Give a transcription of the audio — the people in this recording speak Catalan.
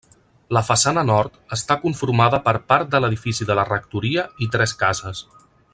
La façana nord està conformada per part de l'edifici de la Rectoria i tres cases.